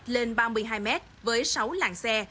lên ba mươi hai m với sáu làng xe